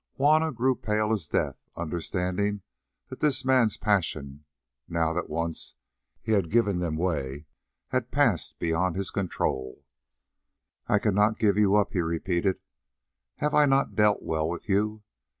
Juanna grew pale as death, understanding that this man's passions, now that once he had given them way, had passed beyond his control. "I cannot give you up," he repeated. "Have I not dealt well with you?